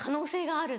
ある。